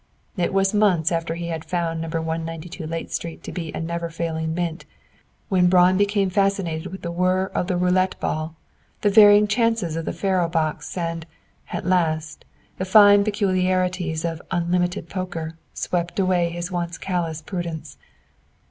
It was months after he had found No. 192 Layte Street to be a never failing mint, when Braun became fascinated with the whirr of the roulette ball, the varying chances of the faro box, and, at last, the fine peculiarities of "unlimited poker" swept away his once callous prudence.